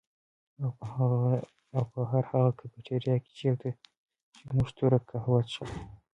او په هر هغه کيفېټيريا کي چيرته چي مونږ توره کهوه څښله